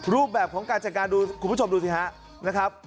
รูปแบบของการจัดการดูคุณผู้ชมดูสิฮะนะครับ